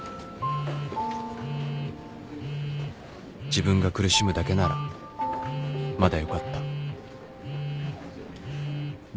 自分が苦しむだけならまだよかった